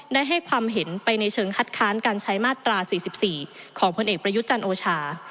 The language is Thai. ได้ให้ความเห็นไปในเชิงคัดค้านการใช้มาตรา๔๔ของพลเอกประยุทธ์จันทร์โอชา